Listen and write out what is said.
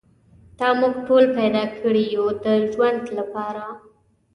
تا موږ ټول پیدا کړي یو د ژوند لپاره.